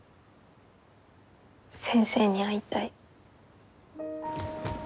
先生に会いたい。